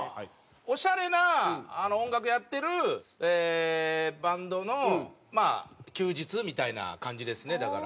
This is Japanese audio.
オシャレな音楽やってるバンドのまあ休日みたいな感じですねだから。